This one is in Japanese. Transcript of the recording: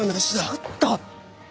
ちょっと！